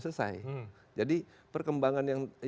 selesai jadi perkembangan